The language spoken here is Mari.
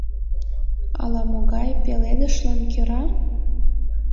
Ала-могай пеледышлан кӧра?